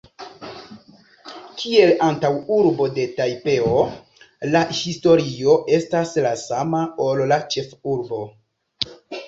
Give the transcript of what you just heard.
Kiel antaŭurbo de Tajpeo, la historio estas la sama, ol la ĉefurbo.